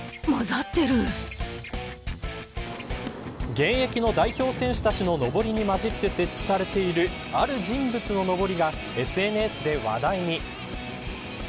現役の代表選手たちののぼりに混じって設置されているある人物ののぼりがＳＮＳで話題に。